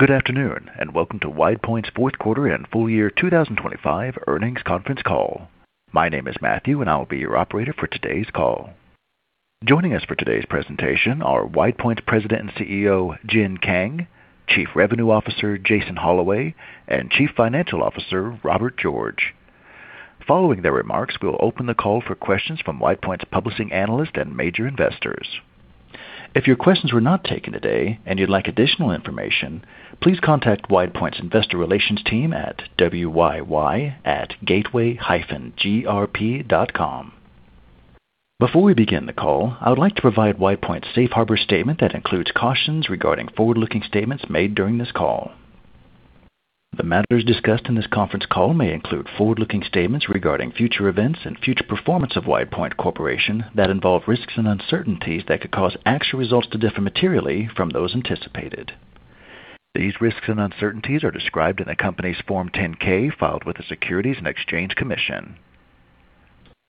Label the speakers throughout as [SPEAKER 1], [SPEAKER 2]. [SPEAKER 1] Good afternoon, and welcome to WidePoint's fourth quarter and full year 2025 earnings conference call. My name is Matthew, and I'll be your operator for today's call. Joining us for today's presentation are WidePoint's President and CEO, Jin Kang; Chief Revenue Officer, Jason Holloway; and Chief Financial Officer, Robert George. Following their remarks, we'll open the call for questions from WidePoint's publishing analyst and major investors. If your questions were not taken today and you'd like additional information, please contact WidePoint's Investor Relations team at wyy@gateway-grp.com. Before we begin the call, I would like to provide WidePoint's safe harbor statement that includes cautions regarding forward-looking statements made during this call. The matters discussed in this conference call may include forward-looking statements regarding future events and future performance of WidePoint Corporation that involve risks and uncertainties that could cause actual results to differ materially from those anticipated. These risks and uncertainties are described in the company's Form 10-K filed with the Securities and Exchange Commission.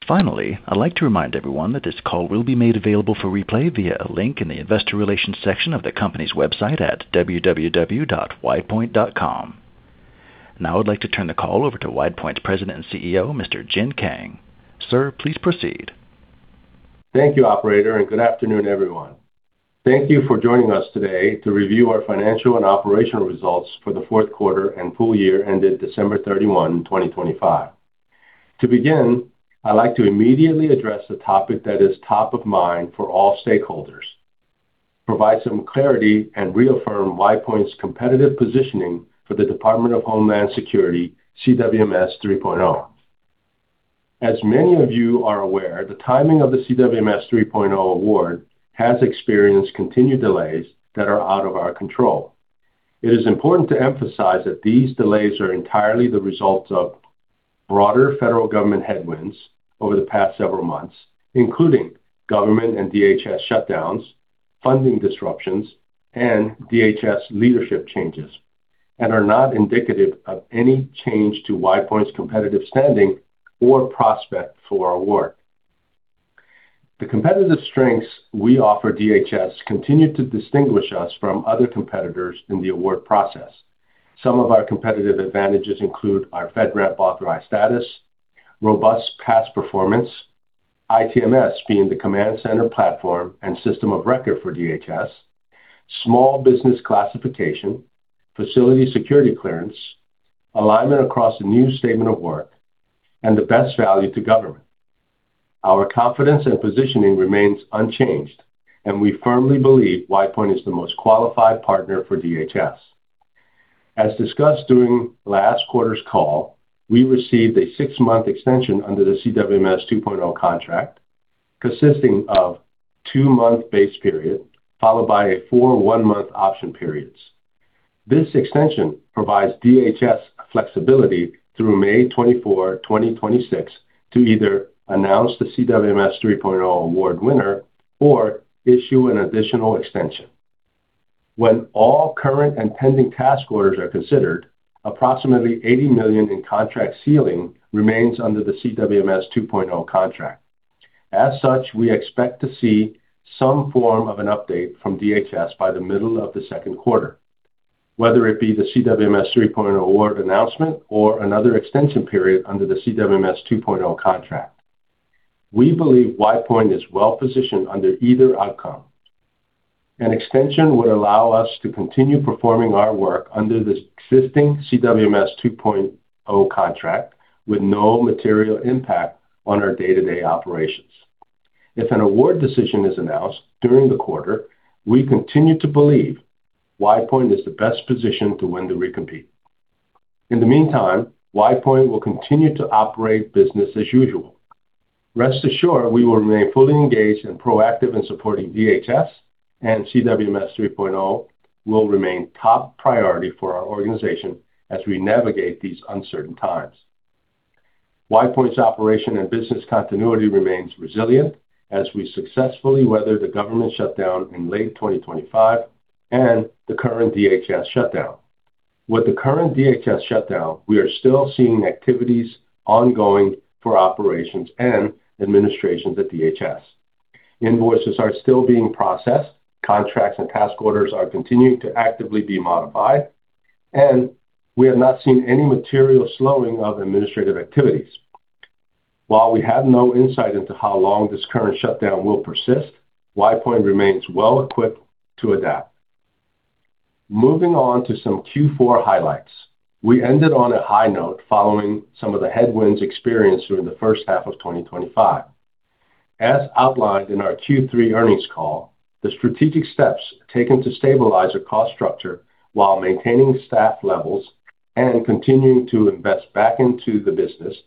[SPEAKER 1] Finally, I'd like to remind everyone that this call will be made available for replay via a link in the investor relations section of the company's website at www.widepoint.com. Now I'd like to turn the call over to WidePoint's President and CEO, Mr. Jin Kang. Sir, please proceed.
[SPEAKER 2] Thank you, operator, and good afternoon, everyone. Thank you for joining us today to review our financial and operational results for the fourth quarter and full year ended December 31, 2025. To begin, I'd like to immediately address the topic that is top of mind for all stakeholders, provide some clarity, and reaffirm WidePoint's competitive positioning for the Department of Homeland Security CWMS 3.0. As many of you are aware, the timing of the CWMS 3.0 award has experienced continued delays that are out of our control. It is important to emphasize that these delays are entirely the result of broader federal government headwinds over the past several months, including government and DHS shutdowns, funding disruptions, and DHS leadership changes, and are not indicative of any change to WidePoint's competitive standing or prospect for award. The competitive strengths we offer DHS continue to distinguish us from other competitors in the award process. Some of our competitive advantages include our FedRAMP authorized status, robust past performance, ITMS being the command center platform and system of record for DHS, small business classification, facility security clearance, alignment across a new statement of work, and the best value to government. Our confidence and positioning remains unchanged, and we firmly believe WidePoint is the most qualified partner for DHS. As discussed during last quarter's call, we received a six-month extension under the CWMS 2.0 contract, consisting of two-month base period followed by four one-month option periods. This extension provides DHS flexibility through May 24, 2026 to either announce the CWMS 3.0 award winner or issue an additional extension. When all current and pending task orders are considered, approximately $80 million in contract ceiling remains under the CWMS 2.0 contract. As such, we expect to see some form of an update from DHS by the middle of the second quarter, whether it be the CWMS 3.0 award announcement or another extension period under the CWMS 2.0 contract. We believe WidePoint is well positioned under either outcome. An extension would allow us to continue performing our work under the existing CWMS 2.0 contract with no material impact on our day-to-day operations. If an award decision is announced during the quarter, we continue to believe WidePoint is the best position to win the recompete. In the meantime, WidePoint will continue to operate business as usual. Rest assured, we will remain fully engaged and proactive in supporting DHS, and CWMS 3.0 will remain top priority for our organization as we navigate these uncertain times. WidePoint's operation and business continuity remains resilient as we successfully weather the government shutdown in late 2025 and the current DHS shutdown. With the current DHS shutdown, we are still seeing activities ongoing for operations and administrations at DHS. Invoices are still being processed, contracts and task orders are continuing to actively be modified, and we have not seen any material slowing of administrative activities. While we have no insight into how long this current shutdown will persist, WidePoint remains well equipped to adapt. Moving on to some Q4 highlights. We ended on a high note following some of the headwinds experienced during the first half of 2025. As outlined in our Q3 earnings call, the strategic steps taken to stabilize our cost structure while maintaining staff levels and continuing to invest back into the business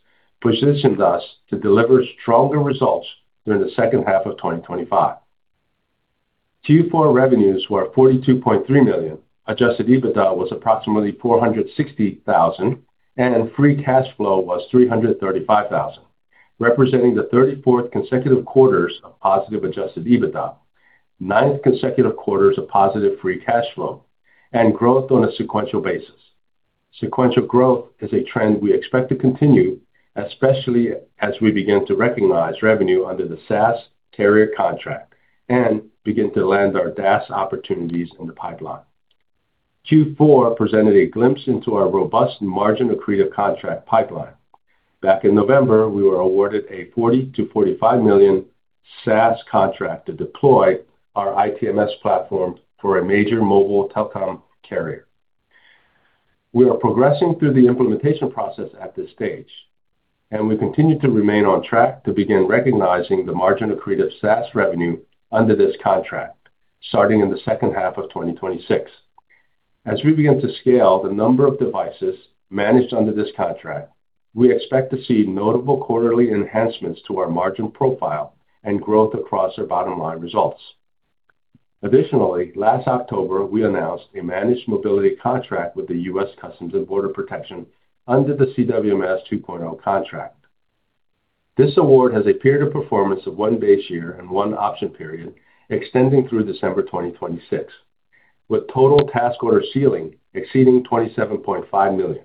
[SPEAKER 2] positioned us to deliver stronger results during the second half of 2025. Q4 revenues were $42.3 million, Adjusted EBITDA was approximately $460,000, and free cash flow was $335,000, representing the 34th consecutive quarters of positive Adjusted EBITDA, ninth consecutive quarters of positive free cash flow, and growth on a sequential basis. Sequential growth is a trend we expect to continue, especially as we begin to recognize revenue under the SaaS carrier contract and begin to land our DaaS opportunities in the pipeline. Q4 presented a glimpse into our robust margin accretive contract pipeline. Back in November, we were awarded a $40 million-$45 million SaaS contract to deploy our ITMS platform for a major mobile telecom carrier. We are progressing through the implementation process at this stage, and we continue to remain on track to begin recognizing the margin accretive SaaS revenue under this contract starting in the second half of 2026. As we begin to scale the number of devices managed under this contract, we expect to see notable quarterly enhancements to our margin profile and growth across our bottom-line results. Additionally, last October, we announced a managed mobility contract with the U.S. Customs and Border Protection under the CWMS 2.0 contract. This award has a period of performance of one base year and one option period extending through December 2026, with total task order ceiling exceeding $27.5 million.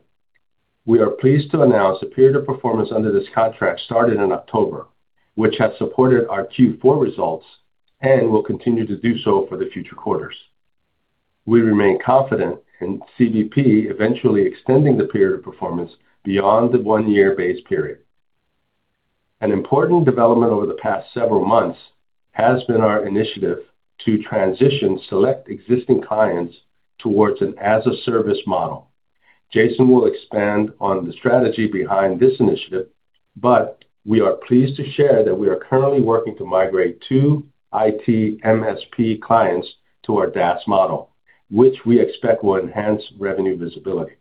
[SPEAKER 2] We are pleased to announce the period of performance under this contract started in October, which has supported our Q4 results and will continue to do so for the future quarters. We remain confident in CBP eventually extending the period of performance beyond the one-year base period. An important development over the past several months has been our initiative to transition select existing clients towards an as-a-service model. Jason will expand on the strategy behind this initiative, but we are pleased to share that we are currently working to migrate two IT MSP clients to our DaaS model, which we expect will enhance revenue visibility.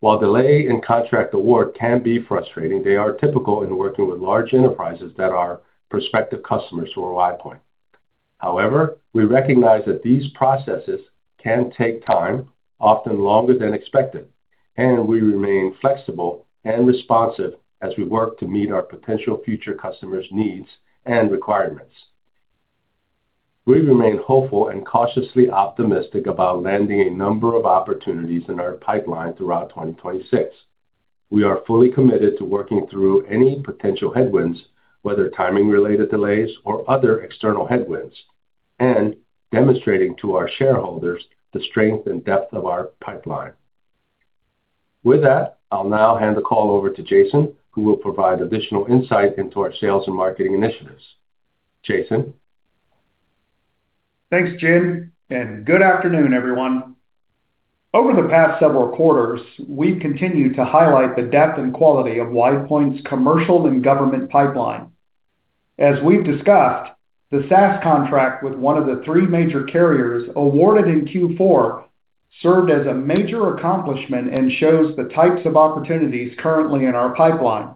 [SPEAKER 2] While delay in contract award can be frustrating, they are typical in working with large enterprises that are prospective customers for WidePoint. However, we recognize that these processes can take time, often longer than expected, and we remain flexible and responsive as we work to meet our potential future customers' needs and requirements. We remain hopeful and cautiously optimistic about landing a number of opportunities in our pipeline throughout 2026. We are fully committed to working through any potential headwinds, whether timing-related delays or other external headwinds, and demonstrating to our shareholders the strength and depth of our pipeline. With that, I'll now hand the call over to Jason, who will provide additional insight into our sales and marketing initiatives. Jason?
[SPEAKER 3] Thanks, Jim, and good afternoon, everyone. Over the past several quarters, we've continued to highlight the depth and quality of WidePoint's commercial and government pipeline. As we've discussed, the SaaS contract with one of the three major carriers awarded in Q4 served as a major accomplishment and shows the types of opportunities currently in our pipeline.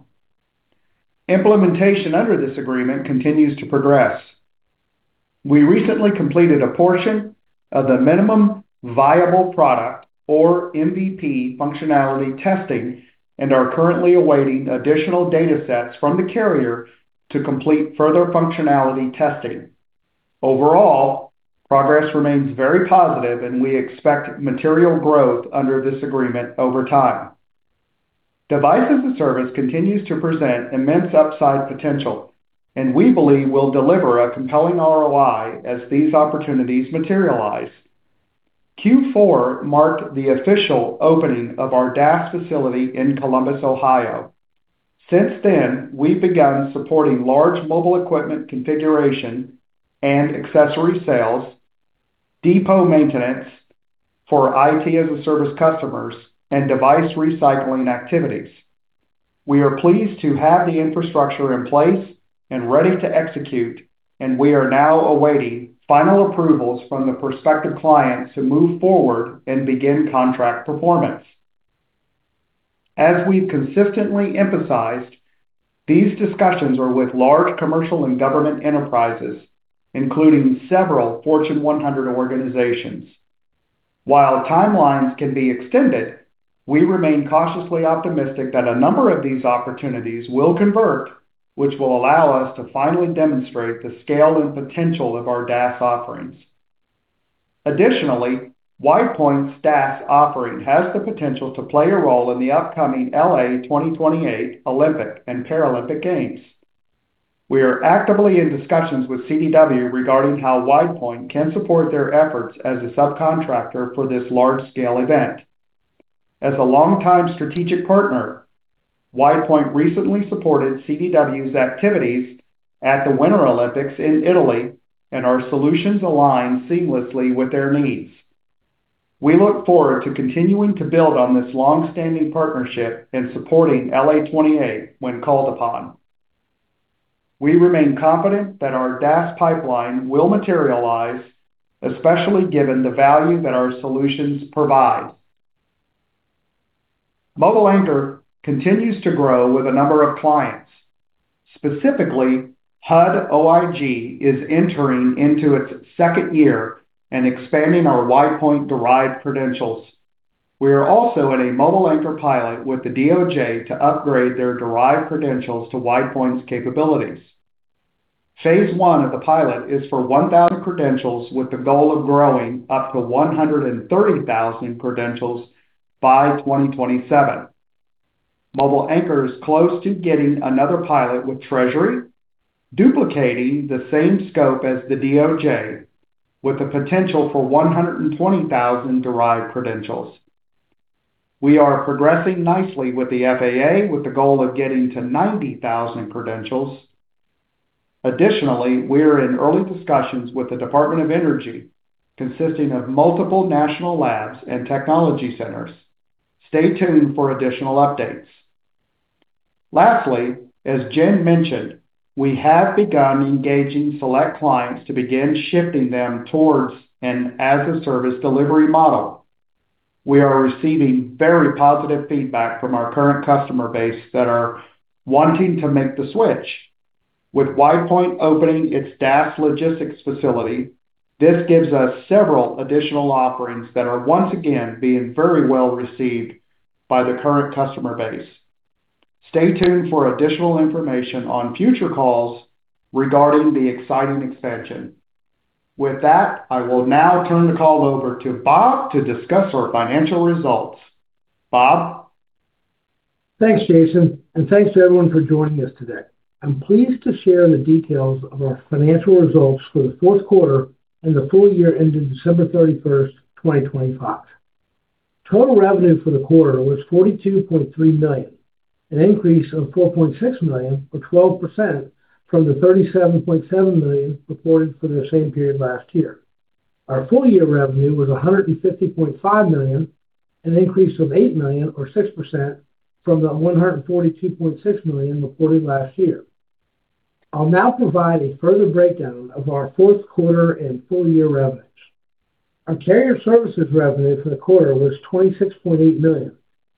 [SPEAKER 3] Implementation under this agreement continues to progress. We recently completed a portion of the Minimum Viable Product, or MVP, functionality testing, and are currently awaiting additional datasets from the carrier to complete further functionality testing. Overall, progress remains very positive, and we expect material growth under this agreement over time. Device as a Service continues to present immense upside potential, and we believe will deliver a compelling ROI as these opportunities materialize. Q4 marked the official opening of our DaaS facility in Columbus, Ohio. Since then, we've begun supporting large mobile equipment configuration and accessory sales, depot maintenance for IT as a Service customers, and device recycling activities. We are pleased to have the infrastructure in place and ready to execute, and we are now awaiting final approvals from the prospective client to move forward and begin contract performance. As we've consistently emphasized, these discussions are with large commercial and government enterprises, including several Fortune 100 organizations. While timelines can be extended, we remain cautiously optimistic that a number of these opportunities will convert, which will allow us to finally demonstrate the scale and potential of our DaaS offerings. Additionally, WidePoint's DaaS offering has the potential to play a role in the upcoming LA28 Olympic and Paralympic Games. We are actively in discussions with CDW regarding how WidePoint can support their efforts as a subcontractor for this large-scale event. As a longtime strategic partner, WidePoint recently supported CDW's activities at the Winter Olympics in Italy, and our solutions align seamlessly with their needs. We look forward to continuing to build on this long-standing partnership and supporting LA28 Olympic when called upon. We remain confident that our DaaS pipeline will materialize, especially given the value that our solutions provide. MobileAnchor continues to grow with a number of clients. Specifically, HUD OIG is entering into its second year and expanding our WidePoint derived credentials. We are also in a MobileAnchor pilot with the DOJ to upgrade their derived credentials to WidePoint's capabilities. Phase 1 of the pilot is for 1,000 credentials with the goal of growing up to 130,000 credentials by 2027. MobileAnchor is close to getting another pilot with Treasury, duplicating the same scope as the DOJ with the potential for 120,000 derived credentials. We are progressing nicely with the FAA with the goal of getting to 90,000 credentials. Additionally, we're in early discussions with the Department of Energy, consisting of multiple national labs and technology centers. Stay tuned for additional updates. Lastly, as Jin mentioned, we have begun engaging select clients to begin shifting them towards an as a service delivery model. We are receiving very positive feedback from our current customer base that are wanting to make the switch. With WidePoint opening its DAF logistics facility, this gives us several additional offerings that are once again being very well-received by the current customer base. Stay tuned for additional information on future calls regarding the exciting expansion. With that, I will now turn the call over to Robert to discuss our financial results. Robert?
[SPEAKER 4] Thanks, Jason, and thanks to everyone for joining us today. I'm pleased to share the details of our financial results for the fourth quarter and the full year ending December 31st, 2025. Total revenue for the quarter was $42.3 million, an increase of $4.6 million or 12% from the $37.7 million reported for the same period last year. Our full year revenue was $150.5 million, an increase of $8 million or 6% from the $142.6 million reported last year. I'll now provide a further breakdown of our fourth quarter and full year revenues. Our carrier services revenue for the quarter was $26.8 million,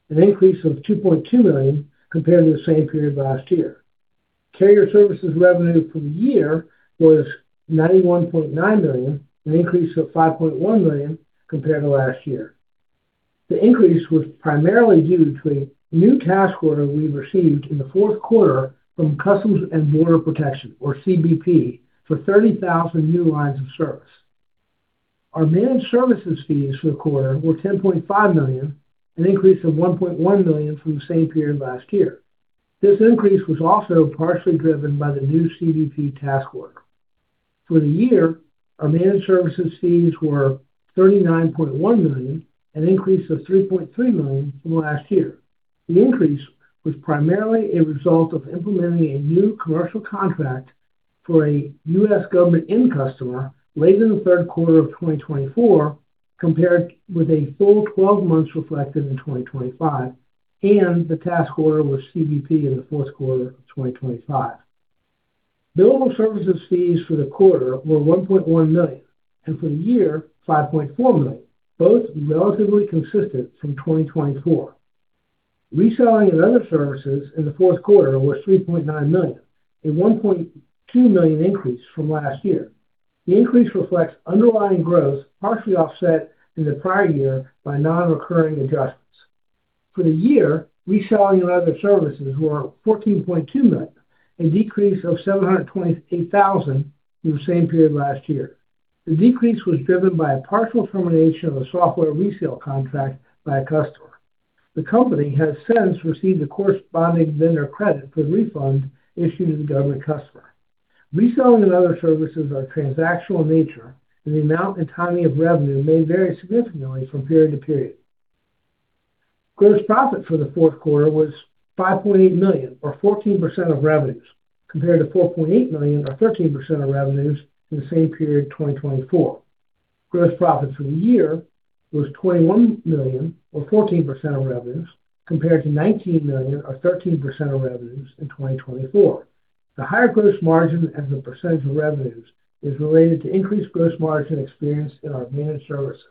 [SPEAKER 4] an increase of $2.2 million compared to the same period last year. Carrier services revenue for the year was $91.9 million, an increase of $5.1 million compared to last year. The increase was primarily due to a new task order we received in the fourth quarter from Customs and Border Protection, or CBP, for 30,000 new lines of service. Our managed services fees for the quarter were $10.5 million, an increase of $1.1 million from the same period last year. This increase was also partially driven by the new CBP task work. For the year, our managed services fees were $39.1 million, an increase of $3.3 million from last year. The increase was primarily a result of implementing a new commercial contract for a U.S. government end customer late in the third quarter of 2024, compared with a full 12 months reflected in 2025, and the task order with CBP in the fourth quarter of 2025. Billable services fees for the quarter were $1.1 million, and for the year, $5.4 million, both relatively consistent from 2024. Reselling and other services in the fourth quarter was $3.9 million, a $1.2 million increase from last year. The increase reflects underlying growth partially offset in the prior year by non-recurring adjustments. For the year, reselling of other services were $14.2 million, a decrease of $728,000 in the same period last year. The decrease was driven by a partial termination of a software resale contract by a customer. The company has since received a corresponding vendor credit for the refund issued to the government customer. Reselling and other services are transactional in nature, and the amount and timing of revenue may vary significantly from period to period. Gross profit for the fourth quarter was $5.8 million or 14% of revenues, compared to $4.8 million or 13% of revenues in the same period 2024. Gross profit for the year was $21 million or 14% of revenues compared to $19 million or 13% of revenues in 2024. The higher gross margin as a percentage of revenues is related to increased gross margin experienced in our managed services.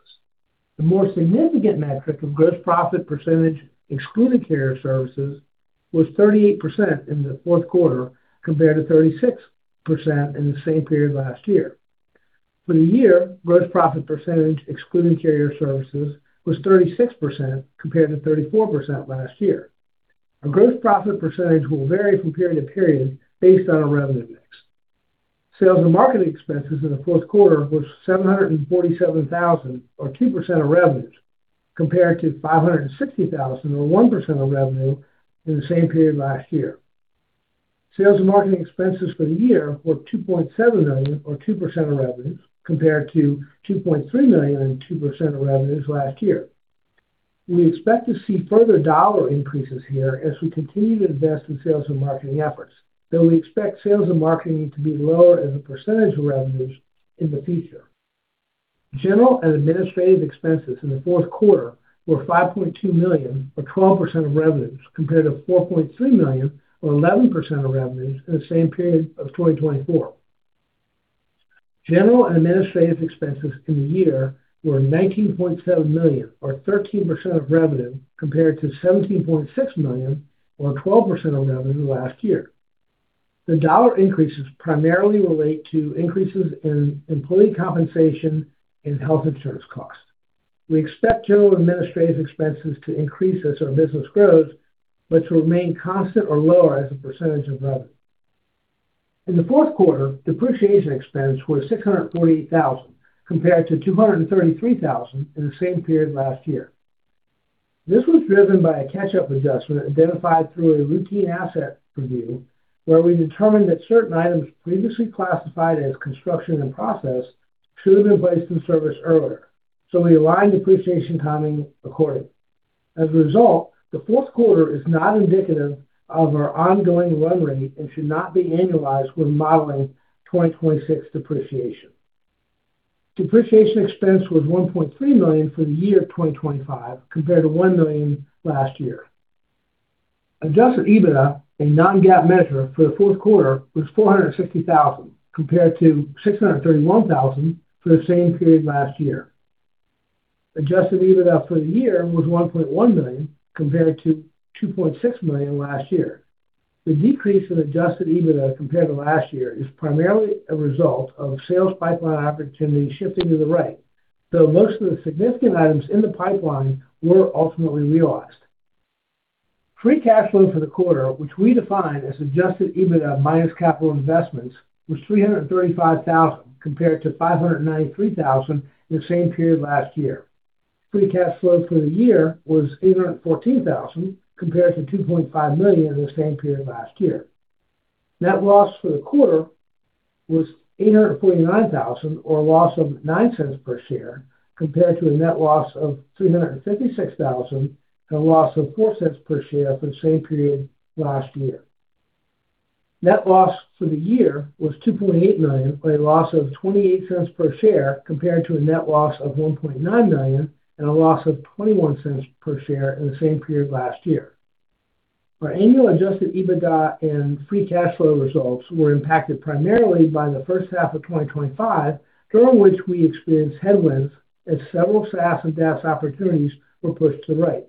[SPEAKER 4] The more significant metric of gross profit percentage excluding carrier services was 38% in the fourth quarter compared to 36% in the same period last year. For the year, gross profit percentage excluding carrier services was 36% compared to 34% last year. Our gross profit percentage will vary from period to period based on our revenue mix. Sales and marketing expenses in the fourth quarter were $747,000 or 2% of revenues, compared to $560,000 or 1% of revenue in the same period last year. Sales and marketing expenses for the year were $2.7 million or 2% of revenues compared to $2.3 million and 2% of revenues last year. We expect to see further dollar increases here as we continue to invest in sales and marketing efforts, though we expect sales and marketing to be lower as a percentage of revenues in the future. General and administrative expenses in the fourth quarter were $5.2 million or 12% of revenues compared to $4.3 million or 11% of revenues in the same period of 2024. General and administrative expenses in the year were $19.7 million or 13% of revenue compared to $17.6 million or 12% of revenue last year. The dollar increases primarily relate to increases in employee compensation and health insurance costs. We expect general and administrative expenses to increase as our business grows, but to remain constant or lower as a percentage of revenue. In the fourth quarter, depreciation expense was $648,000 compared to $233,000 in the same period last year. This was driven by a catch-up adjustment identified through a routine asset review, where we determined that certain items previously classified as construction in process should have been placed in service earlier, so we aligned depreciation timing accordingly. As a result, the fourth quarter is not indicative of our ongoing run rate and should not be annualized when modeling 2026 depreciation. Depreciation expense was $1.3 million for the year 2025, compared to $1 million last year. Adjusted EBITDA, a non-GAAP measure for the fourth quarter, was $460,000, compared to $631,000 for the same period last year. Adjusted EBITDA for the year was $1.1 million, compared to $2.6 million last year. The decrease in Adjusted EBITDA compared to last year is primarily a result of sales pipeline opportunities shifting to the right, though most of the significant items in the pipeline were ultimately realized. Free cash flow for the quarter, which we define as Adjusted EBITDA minus capital investments, was $335,000, compared to $593,000 in the same period last year. Free cash flow for the year was $814,000, compared to $2.5 million in the same period last year. Net loss for the quarter was $849,000, or a loss of $0.09 per share, compared to a net loss of $356,000 and a loss of $0.04 per share for the same period last year. Net loss for the year was $2.8 million, or a loss of $0.28 per share, compared to a net loss of $1.9 million and a loss of $0.21 per share in the same period last year. Our annual Adjusted EBITDA and free cash flow results were impacted primarily by the first half of 2025, during which we experienced headwinds as several SaaS and DaaS opportunities were pushed to the right.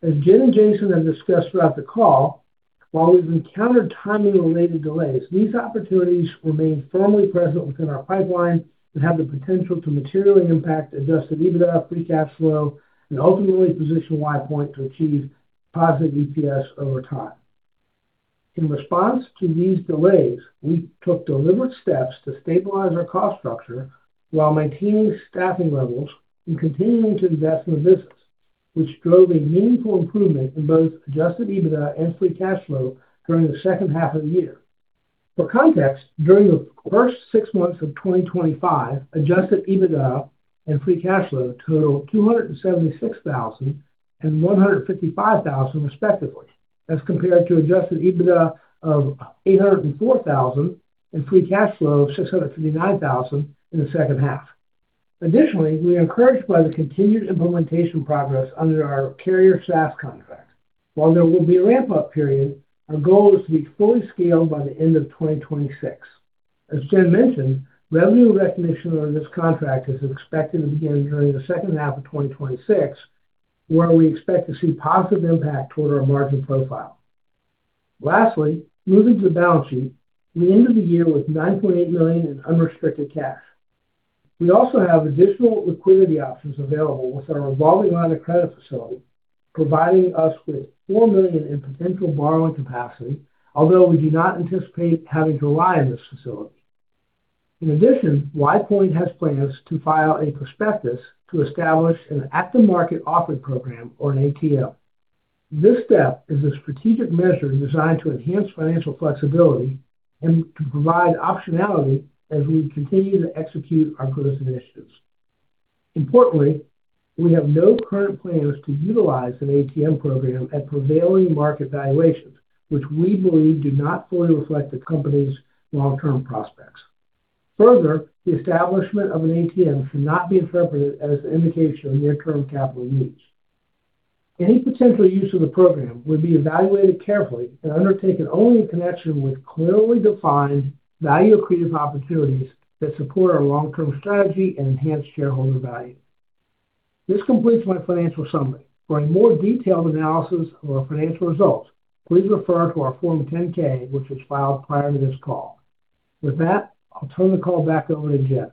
[SPEAKER 4] As Jin and Jason have discussed throughout the call, while we've encountered timing-related delays, these opportunities remain firmly present within our pipeline and have the potential to materially impact Adjusted EBITDA free cash flow and ultimately position WidePoint to achieve positive EPS over time. In response to these delays, we took deliberate steps to stabilize our cost structure while maintaining staffing levels and continuing to invest in the business, which drove a meaningful improvement in both Adjusted EBITDA and free cash flow during the second half of the year. For context, during the first six months of 2025, Adjusted EBITDA and free cash flow totaled $276,000 and $155,000 respectively, as compared to Adjusted EBITDA of $804,000 and free cash flow of $659,000 in the second half. Additionally, we are encouraged by the continued implementation progress under our carrier SaaS contract. While there will be a ramp-up period, our goal is to be fully scaled by the end of 2026. As Jen mentioned, revenue recognition under this contract is expected to begin during the second half of 2026, where we expect to see positive impact toward our margin profile. Lastly, moving to the balance sheet, we ended the year with $9.8 million in unrestricted cash. We also have additional liquidity options available with our revolving line of credit facility, providing us with $4 million in potential borrowing capacity, although we do not anticipate having to rely on this facility. In addition, WidePoint has plans to file a prospectus to establish an at-the-market offering program or an ATM. This step is a strategic measure designed to enhance financial flexibility and to provide optionality as we continue to execute our growth initiatives. Importantly, we have no current plans to utilize an ATM program at prevailing market valuations, which we believe do not fully reflect the company's long-term prospects. Further, the establishment of an ATM should not be interpreted as an indication of near-term capital use. Any potential use of the program would be evaluated carefully and undertaken only in connection with clearly defined value-accretive opportunities that support our long-term strategy and enhance shareholder value. This completes my financial summary. For a more detailed analysis of our financial results, please refer to our Form 10-K, which was filed prior to this call. With that, I'll turn the call back over to Jin.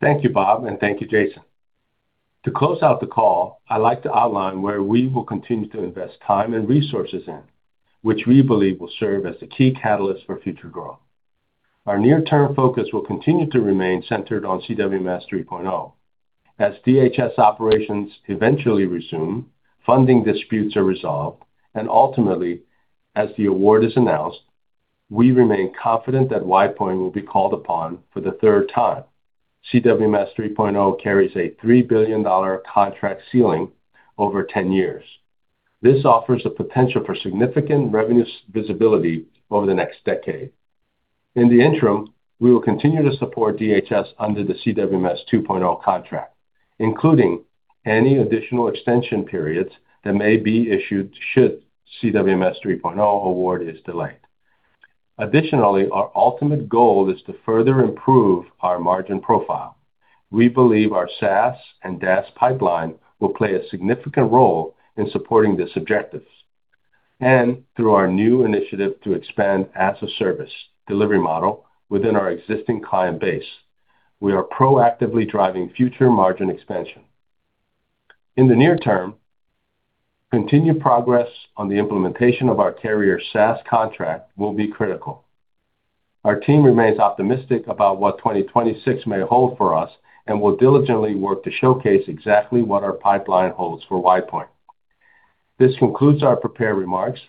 [SPEAKER 2] Thank you, Robert, and thank you, Jason. To close out the call, I'd like to outline where we will continue to invest time and resources in, which we believe will serve as the key catalyst for future growth. Our near-term focus will continue to remain centered on CWMS 3.0. As DHS operations eventually resume, funding disputes are resolved, and ultimately, as the award is announced, we remain confident that WidePoint will be called upon for the third time. CWMS 3.0 carries a $3 billion contract ceiling over 10 years. This offers the potential for significant revenue visibility over the next decade. In the interim, we will continue to support DHS under the CWMS 2.0 contract, including any additional extension periods that may be issued should CWMS 3.0 award is delayed. Additionally, our ultimate goal is to further improve our margin profile. We believe our SaaS and DaaS pipeline will play a significant role in supporting these objectives. Through our new initiative to expand as-a-service delivery model within our existing client base, we are proactively driving future margin expansion. In the near term, continued progress on the implementation of our carrier SaaS contract will be critical. Our team remains optimistic about what 2026 may hold for us and will diligently work to showcase exactly what our pipeline holds for WidePoint. This concludes our prepared remarks,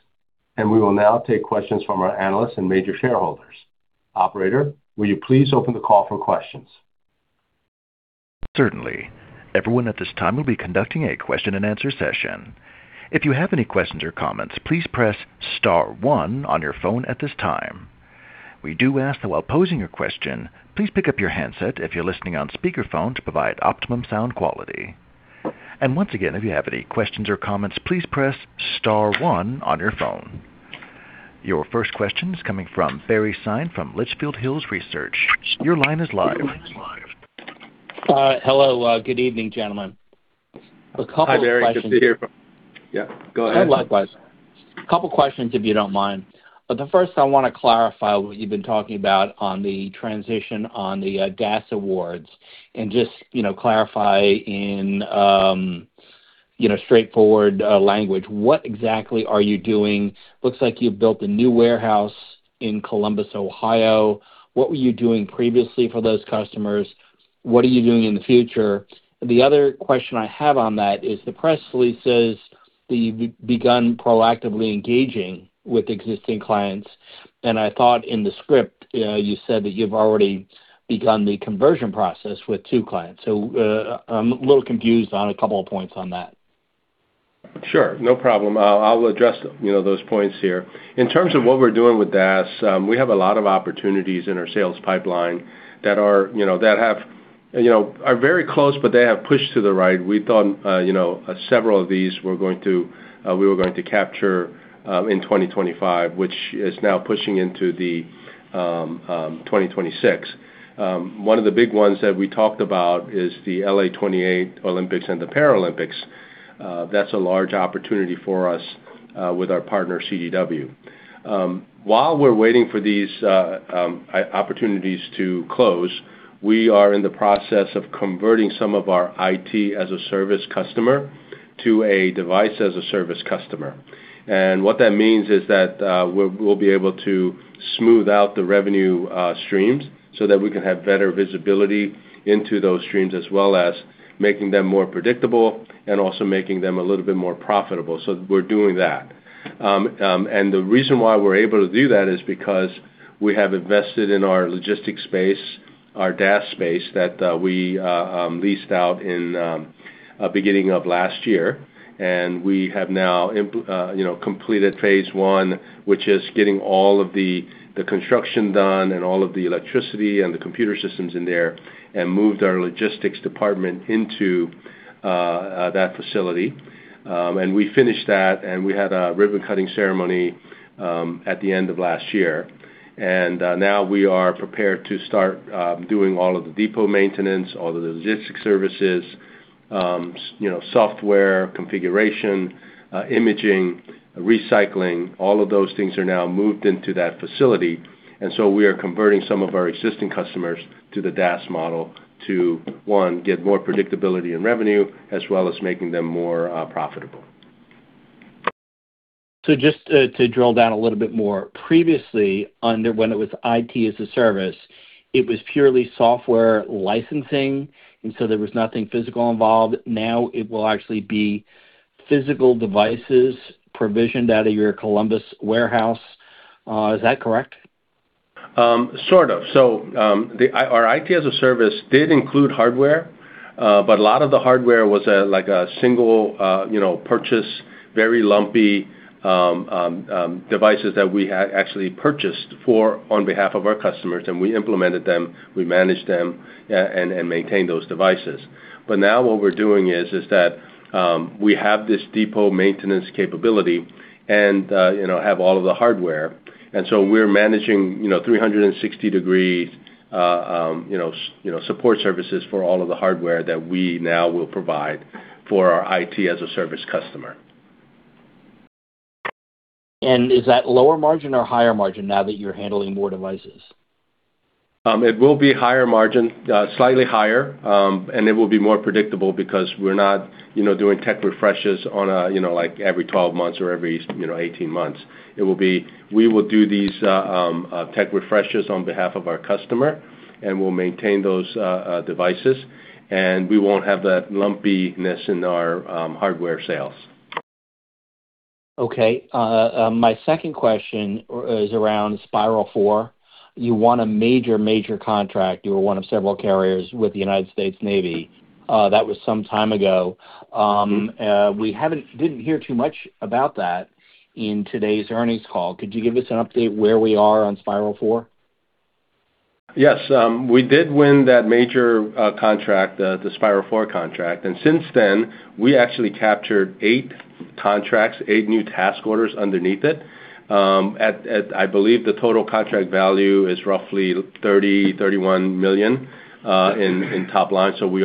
[SPEAKER 2] and we will now take questions from our analysts and major shareholders. Operator, will you please open the call for questions?
[SPEAKER 1] Certainly. Everyone at this time will be conducting a question-and-answer session. If you have any questions or comments, please press star one on your phone at this time. We do ask that while posing your question, please pick up your handset if you're listening on speakerphone to provide optimum sound quality. Once again, if you have any questions or comments, please press star one on your phone. Your first question is coming from Barry Sine from Litchfield Hills Research. Your line is live.
[SPEAKER 5] Hello. Good evening, gentlemen. A couple of questions-
[SPEAKER 2] Hi, Barry. Good to hear from you. Yeah, go ahead.
[SPEAKER 5] Yeah, likewise. A couple questions, if you don't mind. The first I wanna clarify what you've been talking about on the transition on the DaaS awards and just, you know, clarify in you know, straightforward language, what exactly are you doing? Looks like you've built a new warehouse in Columbus, Ohio. What were you doing previously for those customers? What are you doing in the future? The other question I have on that is the press release says that you've begun proactively engaging with existing clients, and I thought in the script you said that you've already begun the conversion process with two clients. I'm a little confused on a couple of points on that.
[SPEAKER 2] Sure. No problem. I'll address, you know, those points here. In terms of what we're doing with DaaS, we have a lot of opportunities in our sales pipeline that are, you know, very close, but they have pushed to the right. We thought, you know, several of these were going to, we were going to capture in 2025, which is now pushing into the 2026. One of the big ones that we talked about is the LA28 Olympics and the Paralympics. That's a large opportunity for us, with our partner CDW. While we're waiting for these opportunities to close, we are in the process of converting some of our IT as-a-service customer to a device as-a-service customer. What that means is that we'll be able to smooth out the revenue streams so that we can have better visibility into those streams, as well as making them more predictable and also making them a little bit more profitable. We're doing that. The reason why we're able to do that is because we have invested in our logistics space, our DaaS space, that we leased out in beginning of last year, and we have now you know, completed phase one, which is getting all of the construction done and all of the electricity and the computer systems in there and moved our logistics department into that facility. We finished that, and we had a ribbon-cutting ceremony at the end of last year. Now we are prepared to start doing all of the depot maintenance, all the logistics services, you know, software configuration, imaging, recycling, all of those things are now moved into that facility. We are converting some of our existing customers to the DaaS model to, one, get more predictability in revenue as well as making them more profitable.
[SPEAKER 5] Just to drill down a little bit more. Previously, under when it was IT as-a-service, it was purely software licensing, and so there was nothing physical involved. Now it will actually be physical devices provisioned out of your Columbus warehouse. Is that correct?
[SPEAKER 2] Sort of. Our IT-as-a-service did include hardware, but a lot of the hardware was like a single, you know, purchase, very lumpy devices that we had actually purchased on behalf of our customers, and we implemented them, we managed them, and maintained those devices. Now what we're doing is that we have this depot maintenance capability and, you know, have all of the hardware. We're managing, you know, 360-degree support services for all of the hardware that we now will provide for our IT-as-a-service customer.
[SPEAKER 5] Is that lower margin or higher margin now that you're handling more devices?
[SPEAKER 2] It will be higher margin, slightly higher, and it will be more predictable because we're not, you know, doing tech refreshes on a, you know, like every 12 months or every, you know, 18 months. We will do these tech refreshes on behalf of our customer, and we'll maintain those devices, and we won't have that lumpiness in our hardware sales.
[SPEAKER 5] Okay. My second question is around Spiral 4. You won a major contract. You were one of several carriers with the United States Navy, that was some time ago. We didn't hear too much about that in today's earnings call. Could you give us an update where we are on Spiral 4?
[SPEAKER 2] Yes. We did win that major contract, the Spiral 4 contract. Since then, we actually captured eight new task orders underneath it. I believe the total contract value is roughly $30 million-$31 million in top line. So we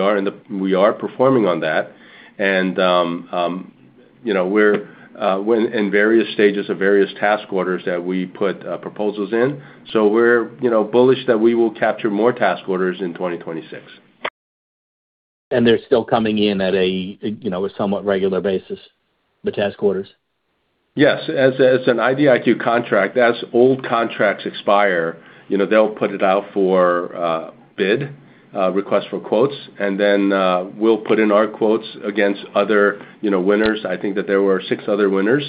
[SPEAKER 2] are performing on that. You know, we're in various stages of various task orders that we put proposals in. So we're, you know, bullish that we will capture more task orders in 2026.
[SPEAKER 5] They're still coming in at a, you know, a somewhat regular basis, the task orders?
[SPEAKER 2] Yes. As an IDIQ contract, as old contracts expire, you know, they'll put it out for bid, request for quotes, and then, we'll put in our quotes against other, you know, winners. I think that there were six other winners.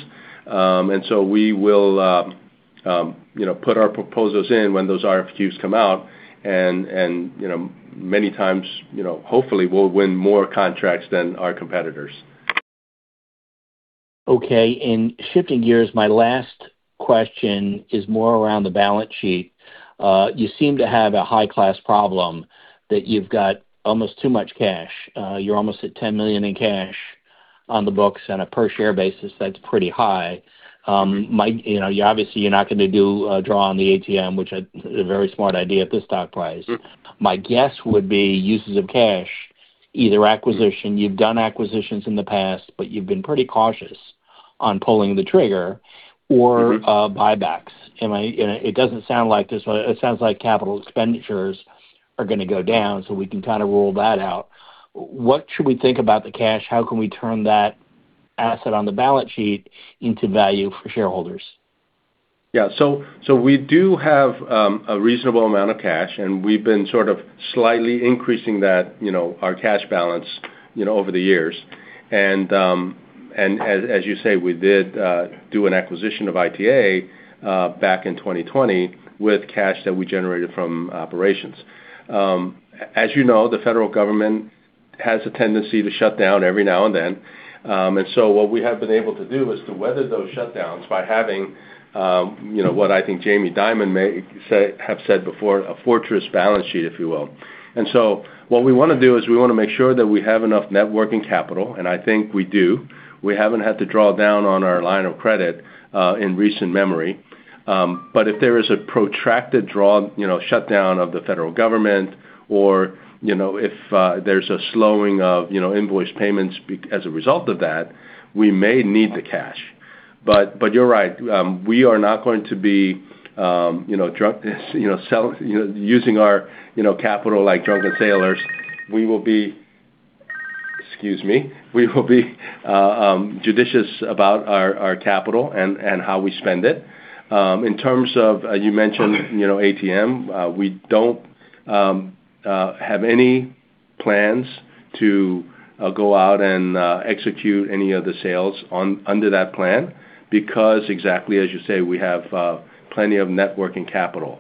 [SPEAKER 2] We will, you know, put our proposals in when those RFQs come out and, you know, many times, you know, hopefully we'll win more contracts than our competitors.
[SPEAKER 5] Okay. Shifting gears, my last question is more around the balance sheet. You seem to have a high-class problem that you've got almost too much cash. You're almost at $10 million in cash on the books. On a per share basis, that's pretty high. You know, obviously, you're not gonna do a draw on the ATM, which is a very smart idea at this stock price.
[SPEAKER 2] Mm-hmm.
[SPEAKER 5] My guess would be uses of cash, either acquisition. You've done acquisitions in the past, but you've been pretty cautious on pulling the trigger...
[SPEAKER 2] Mm-hmm.
[SPEAKER 5] or buybacks. You know, it doesn't sound like this, but it sounds like capital expenditures are gonna go down, so we can kind of rule that out. What should we think about the cash? How can we turn that asset on the balance sheet into value for shareholders?
[SPEAKER 2] Yeah. So we do have a reasonable amount of cash, and we've been sort of slightly increasing that, you know, our cash balance, you know, over the years. As you say, we did do an acquisition of ITA back in 2020 with cash that we generated from operations. As you know, the federal government has a tendency to shut down every now and then. What we have been able to do is to weather those shutdowns by having, you know, what I think Jamie Dimon may have said before, a fortress balance sheet, if you will. What we wanna do is we wanna make sure that we have enough net working capital, and I think we do. We haven't had to draw down on our line of credit in recent memory. If there is a protracted drawn-out, you know, shutdown of the federal government or, you know, if there's a slowing of, you know, invoice payments as a result of that, we may need the cash. You're right. We are not going to be, you know, using our, you know, capital like drunken sailors. We will be judicious about our capital and how we spend it. In terms of, you mentioned, you know, ATM, we don't have any plans to go out and execute any of the sales under that plan because exactly as you say, we have plenty of net working capital.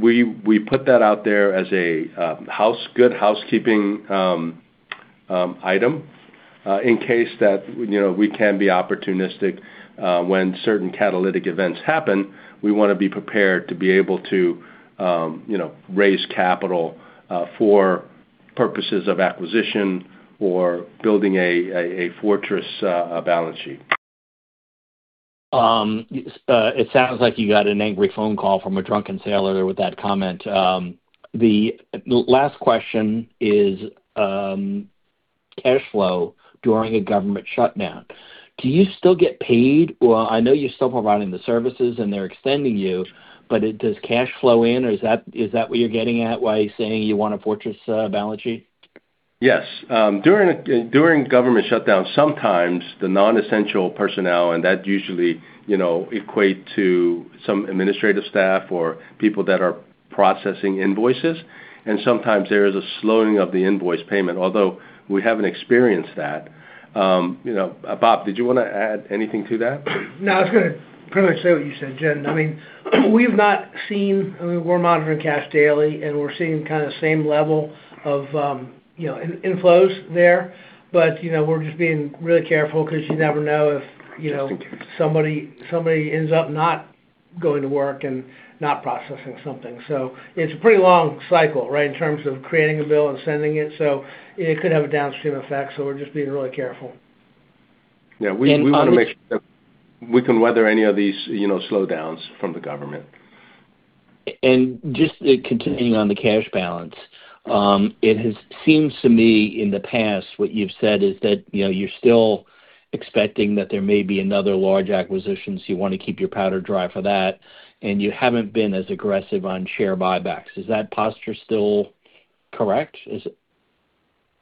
[SPEAKER 2] We put that out there as a good housekeeping item in case that, you know, we can be opportunistic when certain catalytic events happen. We wanna be prepared to be able to, you know, raise capital for purposes of acquisition or building a fortress balance sheet.
[SPEAKER 5] It sounds like you got an angry phone call from a drunken sailor with that comment. The last question is cash flow during a government shutdown. Do you still get paid? Well, I know you're still providing the services and they're extending you, but does cash flow in or is that what you're getting at why you're saying you want a fortress balance sheet?
[SPEAKER 2] Yes. During government shutdown, sometimes the non-essential personnel, and that usually, you know, equate to some administrative staff or people that are processing invoices, and sometimes there is a slowing of the invoice payment, although we haven't experienced that. You know, Robert, did you wanna add anything to that?
[SPEAKER 4] No, I was gonna pretty much say what you said, Jin. I mean, we've not seen. I mean, we're monitoring cash daily, and we're seeing kind of same level of, you know, inflows there. But, you know, we're just being really careful 'cause you never know if, you know, somebody ends up not going to work and not processing something. So it's a pretty long cycle, right, in terms of creating a bill and sending it, so it could have a downstream effect, so we're just being really careful.
[SPEAKER 2] Yeah. We wanna make sure that we can weather any of these, you know, slowdowns from the government.
[SPEAKER 5] Just continuing on the cash balance, it has seemed to me in the past what you've said is that, you know, you're still expecting that there may be another large acquisition, so you wanna keep your powder dry for that, and you haven't been as aggressive on share buybacks. Is that posture still correct? Is it-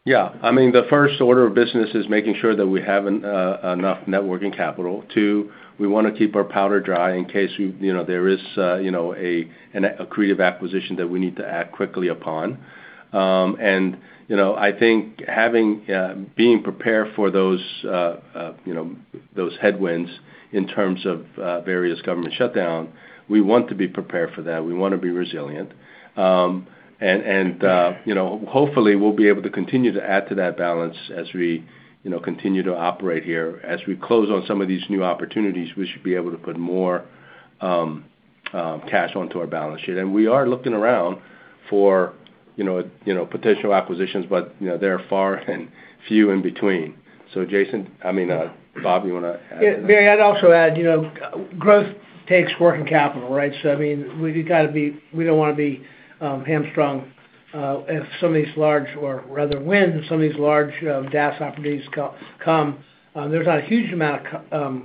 [SPEAKER 2] Yeah. I mean, the first order of business is making sure that we have enough net working capital. Two, we wanna keep our powder dry in case we, you know, there is an accretive acquisition that we need to act quickly upon. I think having being prepared for those, you know, those headwinds in terms of various government shutdown, we want to be prepared for that. We wanna be resilient. Hopefully, we'll be able to continue to add to that balance as we, you know, continue to operate here. As we close on some of these new opportunities, we should be able to put more cash onto our balance sheet. We are looking around for, you know, potential acquisitions, but, you know, they're few and far between. Jason, I mean, Robert, you wanna add?
[SPEAKER 4] Yeah. Barry, I'd also add, you know, growth takes working capital, right? I mean, we don't wanna be hamstrung if some of these large or rather when some of these large DaaS opportunities come, there's not a huge amount of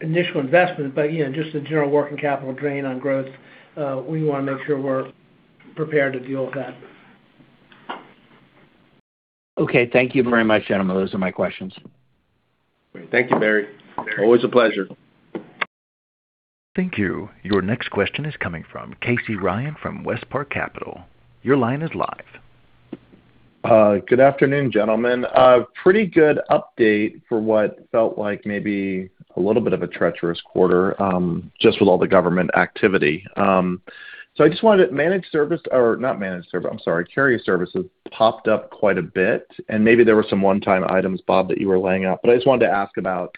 [SPEAKER 4] initial investment, but you know, just the general working capital drain on growth, we wanna make sure we're prepared to deal with that.
[SPEAKER 5] Okay. Thank you very much, gentlemen. Those are my questions.
[SPEAKER 2] Thank you, Barry. Always a pleasure.
[SPEAKER 1] Thank you. Your next question is coming from Casey Ryan from WestPark Capital. Your line is live.
[SPEAKER 6] Good afternoon, gentlemen. A pretty good update for what felt like maybe a little bit of a treacherous quarter, just with all the government activity. I just wanted carrier services popped up quite a bit, and maybe there were some one-time items, Robert, that you were laying out, but I just wanted to ask about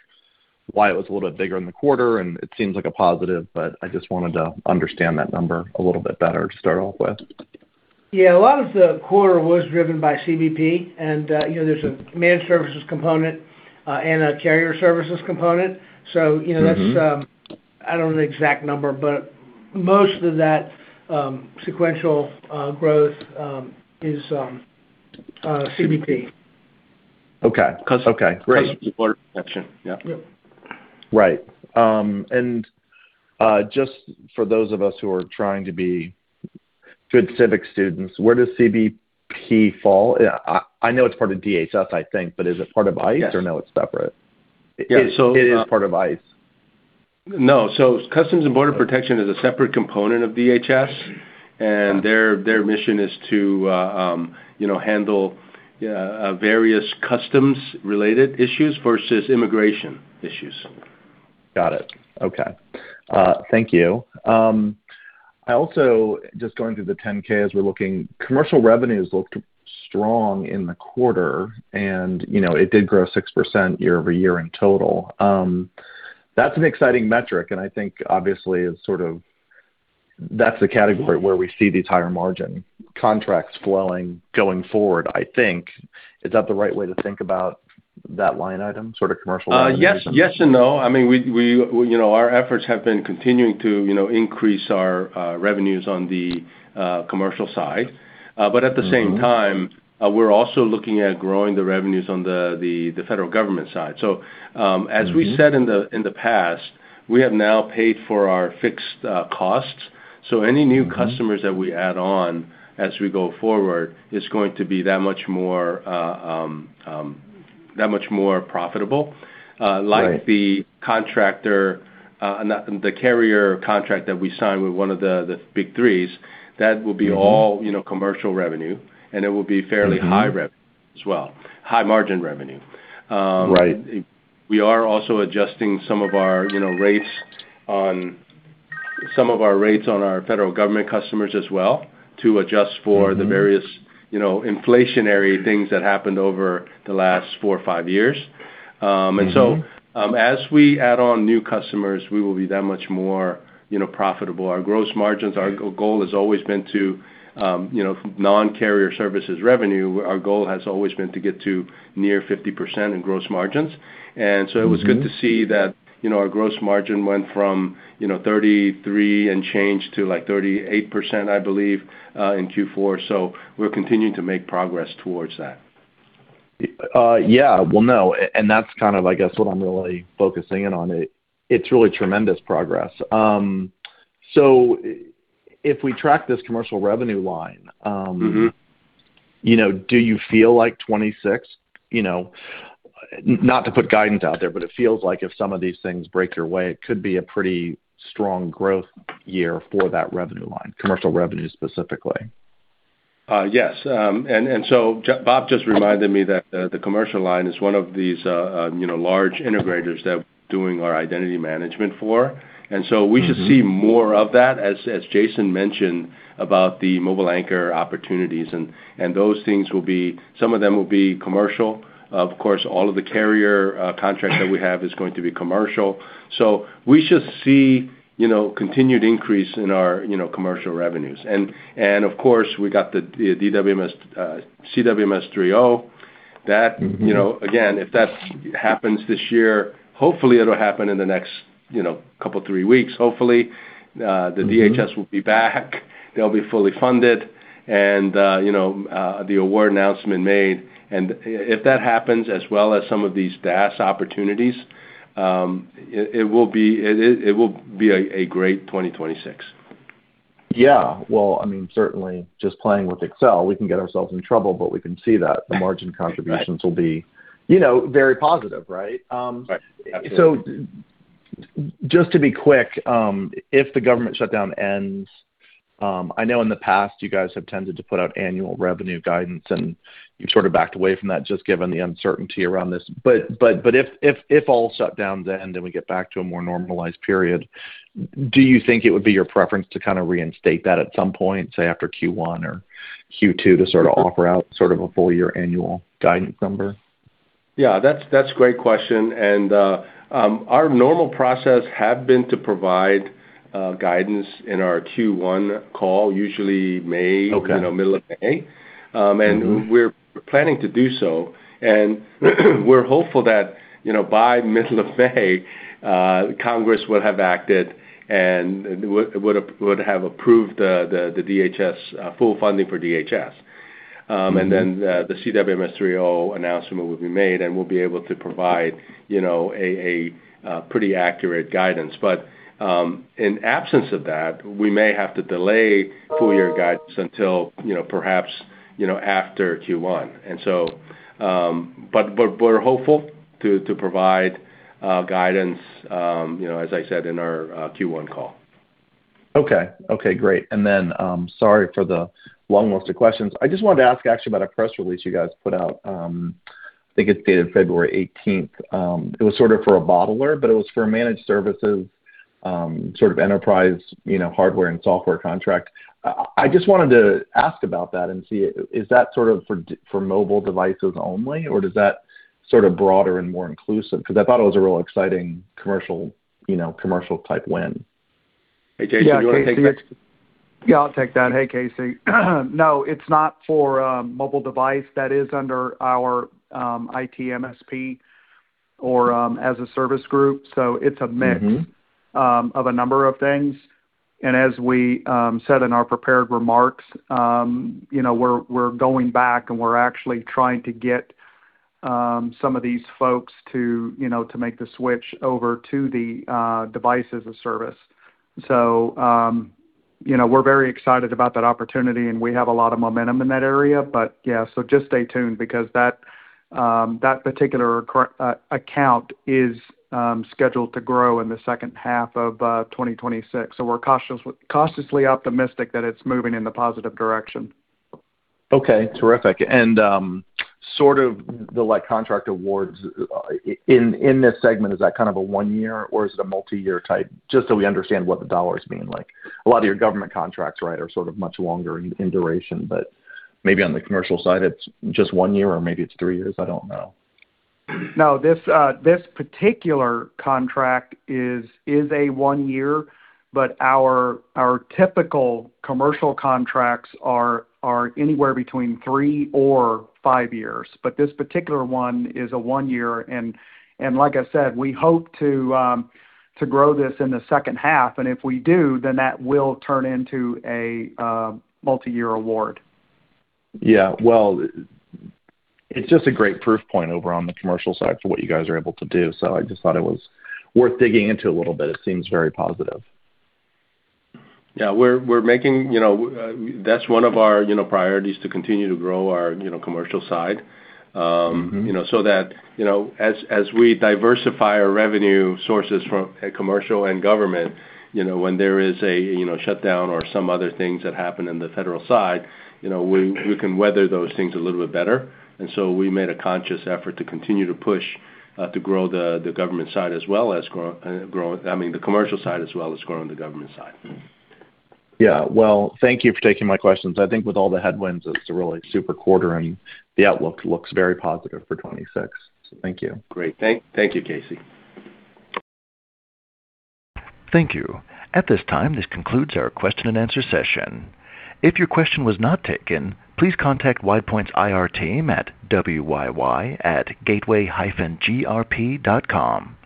[SPEAKER 6] why it was a little bit bigger in the quarter, and it seems like a positive, but I just wanted to understand that number a little bit better to start off with.
[SPEAKER 4] Yeah. A lot of the quarter was driven by CBP and, you know, there's a managed services component and a carrier services component. So, you know-
[SPEAKER 6] Mm-hmm.
[SPEAKER 4] That's, I don't know the exact number, but most of that sequential growth is CBP.
[SPEAKER 6] Okay. Okay, great.
[SPEAKER 2] Customs and Border Protection. Yeah.
[SPEAKER 6] Right. Just for those of us who are trying to be good civic students, where does CBP fall? I know it's part of DHS, I think, but is it part of ICE?
[SPEAKER 2] Yes.
[SPEAKER 6] No, it's separate?
[SPEAKER 2] Yeah.
[SPEAKER 6] It is part of ICE.
[SPEAKER 2] No. Customs and Border Protection is a separate component of DHS, and their mission is to you know handle various customs related issues versus immigration issues.
[SPEAKER 6] Got it. Okay. Thank you. I also just going through the Form 10-K as we're looking. Commercial revenues looked strong in the quarter and, you know, it did grow 6% year-over-year in total. That's an exciting metric, and I think obviously it's sort of. That's the category where we see these higher margin contracts flowing going forward, I think. Is that the right way to think about that line item, sort of commercial revenues and-
[SPEAKER 2] Yes. Yes and no. I mean, we, you know, our efforts have been continuing to, you know, increase our revenues on the commercial side, but at the same time-
[SPEAKER 6] Mm-hmm.
[SPEAKER 2] We're also looking at growing the revenues on the federal government side.
[SPEAKER 6] Mm-hmm.
[SPEAKER 2] As we said in the past, we have now paid for our fixed costs. Any new customers that we add on as we go forward is going to be that much more profitable.
[SPEAKER 6] Right.
[SPEAKER 2] Like the contractor, the carrier contract that we signed with one of the big threes, that will be all-
[SPEAKER 6] Mm-hmm.
[SPEAKER 2] You know, commercial revenue, and it will be fairly high revenue as well, high margin revenue.
[SPEAKER 6] Right.
[SPEAKER 2] We are also adjusting some of our rates on our federal government customers as well to adjust for
[SPEAKER 6] Mm-hmm.
[SPEAKER 2] The various, you know, inflationary things that happened over the last four or five years.
[SPEAKER 6] Mm-hmm.
[SPEAKER 2] As we add on new customers, we will be that much more, you know, profitable. Our gross margins, non-carrier services revenue, our goal has always been to get to near 50% in gross margins. It was good-
[SPEAKER 6] Mm-hmm.
[SPEAKER 2] To see that, you know, our gross margin went from, you know, 33% and change to like 38%, I believe, in Q4. We're continuing to make progress towards that.
[SPEAKER 6] Yeah. Well, no. That's kind of, I guess, what I'm really focusing in on. It's really tremendous progress. If we track this commercial revenue line-
[SPEAKER 2] Mm-hmm.
[SPEAKER 6] You know, do you feel like 2026, you know, not to put guidance out there, but it feels like if some of these things break your way, it could be a pretty strong growth year for that revenue line, commercial revenue specifically.
[SPEAKER 2] Yes. Robert just reminded me that the commercial line is one of these, you know, large integrators that we're doing our identity management for. We should see more of that, as Jason mentioned about the MobileAnchor opportunities and those things will be. Some of them will be commercial. Of course, all of the carrier contracts that we have is going to be commercial. We should see, you know, continued increase in our, you know, commercial revenues. Of course, we got the CWMS 3.0. That
[SPEAKER 6] Mm-hmm.
[SPEAKER 2] You know, again, if that happens this year, hopefully it'll happen in the next, you know, couple three weeks, hopefully. The DHS will be back, they'll be fully funded and, you know, the award announcement made. If that happens as well as some of these DaaS opportunities, it will be a great 2026.
[SPEAKER 6] Yeah. Well, I mean, certainly just playing with Excel, we can get ourselves in trouble, but we can see that.
[SPEAKER 2] Right.
[SPEAKER 6] The margin contributions will be, you know, very positive, right?
[SPEAKER 2] Right. Absolutely.
[SPEAKER 6] Just to be quick, if the government shutdown ends, I know in the past you guys have tended to put out annual revenue guidance, and you've sort of backed away from that just given the uncertainty around this. If the shutdown ends then we get back to a more normalized period, do you think it would be your preference to kind of reinstate that at some point, say after Q1 or Q2 to sort of offer out sort of a full year annual guidance number?
[SPEAKER 2] Yeah, that's a great question. Our normal process have been to provide guidance in our Q1 call, usually May-
[SPEAKER 6] Okay.
[SPEAKER 2] You know, middle of May. We're planning to do so, and we're hopeful that, you know, by middle of May, Congress would have acted and would have approved the DHS full funding for DHS. Then the CWMS 3.0 announcement will be made, and we'll be able to provide, you know, a pretty accurate guidance. But in absence of that, we may have to delay full year guidance until, you know, perhaps, you know, after Q1. But we're hopeful to provide guidance, you know, as I said, in our Q1 call.
[SPEAKER 6] Okay, great. Sorry for the long list of questions. I just wanted to ask actually about a press release you guys put out. I think it's dated February 18th. It was sort of for a bottler, but it was for managed services, sort of enterprise, you know, hardware and software contract. I just wanted to ask about that and see, is that sort of for mobile devices only or does that sort of broader and more inclusive? Because I thought it was a real exciting commercial, you know, commercial type win.
[SPEAKER 2] Hey, Jason, do you wanna take that?
[SPEAKER 3] Yeah, I'll take that. Hey, Casey. No, it's not for mobile device. That is under our IT MSP or as a service group. It's a mix-
[SPEAKER 6] Mm-hmm
[SPEAKER 3] of a number of things. As we said in our prepared remarks, you know, we're going back and we're actually trying to get some of these folks to you know to make the switch over to the Device as a Service. You know, we're very excited about that opportunity, and we have a lot of momentum in that area. Yeah, just stay tuned because that particular account is scheduled to grow in the second half of 2026. We're cautiously optimistic that it's moving in the positive direction.
[SPEAKER 6] Okay. Terrific. Sort of the like contract awards in this segment, is that kind of a one-year or is it a multi-year type? Just so we understand what the dollars mean. Like, a lot of your government contracts, right, are sort of much longer in duration, but maybe on the commercial side, it's just one year or maybe it's three years, I don't know.
[SPEAKER 3] No. This particular contract is a one-year, but our typical commercial contracts are anywhere between three or five years. This particular one is a one-year. Like I said, we hope to grow this in the second half, and if we do, then that will turn into a multi-year award.
[SPEAKER 6] Yeah. Well, it's just a great proof point over on the commercial side for what you guys are able to do. I just thought it was worth digging into a little bit. It seems very positive.
[SPEAKER 2] Yeah. You know, that's one of our, you know, priorities to continue to grow our, you know, commercial side.
[SPEAKER 6] Mm-hmm
[SPEAKER 2] You know, so that you know as we diversify our revenue sources from commercial and government, you know, when there is a you know shutdown or some other things that happen in the federal side, you know, we can weather those things a little bit better. We made a conscious effort to continue to push to grow the government side as well as grow I mean the commercial side as well as growing the government side.
[SPEAKER 6] Yeah. Well, thank you for taking my questions. I think with all the headwinds, it's a really super quarter and the outlook looks very positive for 2026. Thank you.
[SPEAKER 2] Great. Thank you, Casey.
[SPEAKER 1] Thank you. At this time, this concludes our question-and-answer session. If your question was not taken, please contact WidePoint's IR team at wyy@gateway-grp.com.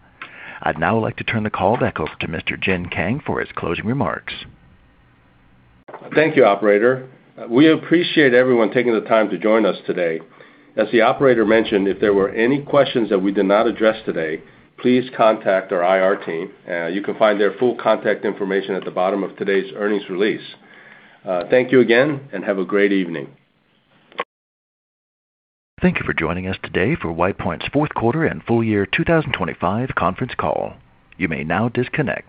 [SPEAKER 1] I'd now like to turn the call back over to Mr. Jin Kang for his closing remarks.
[SPEAKER 2] Thank you, operator. We appreciate everyone taking the time to join us today. As the operator mentioned, if there were any questions that we did not address today, please contact our IR team. You can find their full contact information at the bottom of today's earnings release. Thank you again, and have a great evening.
[SPEAKER 1] Thank you for joining us today for WidePoint's fourth quarter and full year 2025 conference call. You may now disconnect.